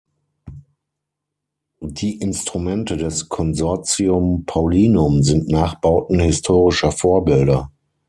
Die Instrumente des consortium paulinum sind Nachbauten historischer Vorbilder.